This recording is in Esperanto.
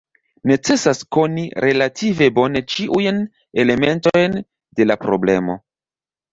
Necesas koni relative bone ĉiujn elementojn de la problemo.